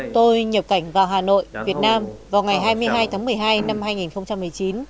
tôi nhập cảnh vào hà nội việt nam vào ngày hai mươi hai tháng một mươi hai năm hai nghìn một mươi chín